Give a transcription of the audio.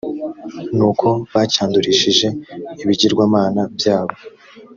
n uko bacyandurishije ibigirwamana byabo